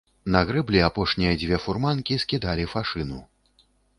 На грэблі апошнія дзве фурманкі скідалі фашыну.